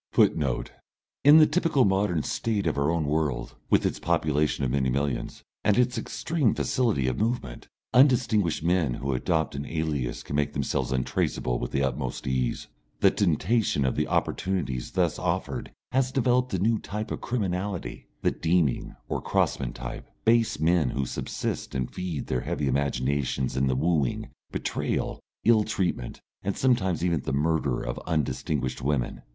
[Footnote: In the typical modern State of our own world, with its population of many millions, and its extreme facility of movement, undistinguished men who adopt an alias can make themselves untraceable with the utmost ease. The temptation of the opportunities thus offered has developed a new type of criminality, the Deeming or Crossman type, base men who subsist and feed their heavy imaginations in the wooing, betrayal, ill treatment, and sometimes even the murder of undistinguished women.